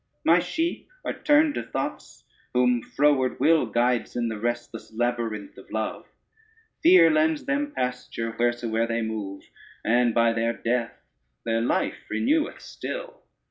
My sheep are turned to thoughts, whom froward will Guides in the restless labyrinth of love; Fear lends them pasture wheresoe'er they move, And by their death their life reneweth still.